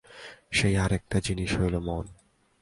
সেই আর একটি জিনিষ হইল মন।